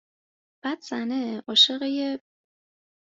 بعد زنه عاشق یه